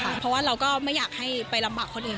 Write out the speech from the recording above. เพราะว่าเราก็ไม่อยากให้ไปลำบากคนอื่น